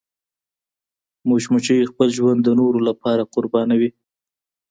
مچمچۍ خپل ژوند د نورو لپاره قربانوي